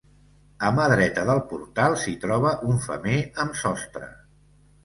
A mà dreta del portal s'hi troba un femer amb sostre.